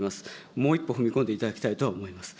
もう一歩踏み込んでいただきたいとは思います。